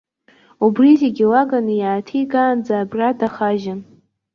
Убри зегьы лаганы иааҭигаанӡа абра дахажьын.